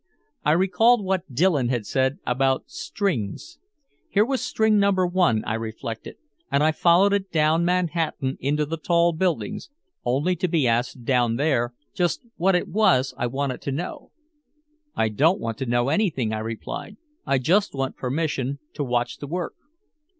I recalled what Dillon had said about strings. Here was string number one, I reflected, and I followed it down Manhattan into the tall buildings, only to be asked down there just what it was I wanted to know. "I don't want to know anything," I replied. "I just want permission to watch the work."